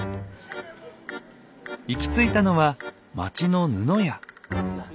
行き着いたのは町の布屋。